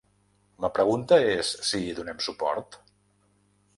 La pregunta és si hi donem suport?